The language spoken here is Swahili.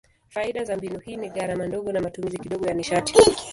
Faida za mbinu hii ni gharama ndogo na matumizi kidogo ya nishati.